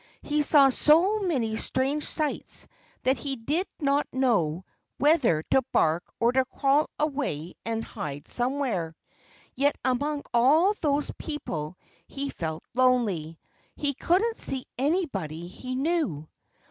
He saw so many strange sights that he didn't know whether to bark or to crawl away and hide somewhere. Yet among all those people he felt lonely. He couldn't see anybody he knew.